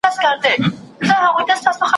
وطن ډک دئ له جاهلو ساده گانو `